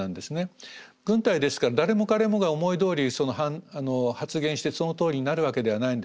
軍隊ですから誰も彼もが思いどおりに発言してそのとおりになるわけではないんです。